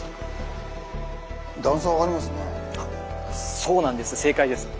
そうなんです正解です。